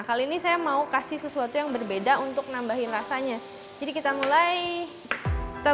kali ini saya mau kasih sesuatu yang berbeda untuk nambahin rasanya jadi kita mulai kita